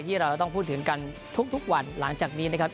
ที่เราจะต้องพูดถึงกันทุกวันหลังจากนี้นะครับ